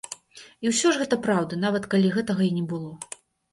І ўсё ж гэта праўда, нават калі гэтага й не было.